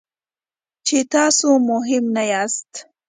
چې تاسو مهم نه یاست.